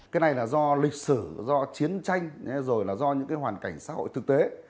cái này là do lịch sử do chiến tranh rồi là do những cái hoàn cảnh xã hội thực tế